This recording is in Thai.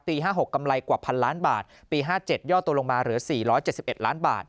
๕๖กำไรกว่าพันล้านบาทปี๕๗ยอดตัวลงมาเหลือ๔๗๑ล้านบาท